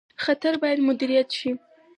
خطر باید مدیریت شي